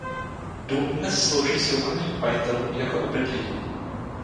Dům dnes slouží soukromým majitelům jako obydlí.